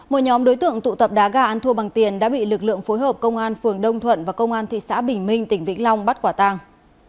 một nhóm đối tượng tụ tập đá gà ăn thua bằng tiền đã bị lực lượng phối hợp công an phường đông thuận và công an thị xã bình minh tỉnh vĩnh long bắt quả tàng